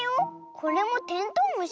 これもテントウムシ？